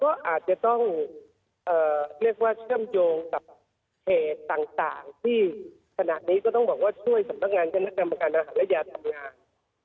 ก็อาจจะต้องเรียกว่าเชื่อมโยงกับเหตุต่างที่ขณะนี้ก็ต้องบอกว่าช่วยสำนักงานคณะกรรมการอาหารและยาทำงาน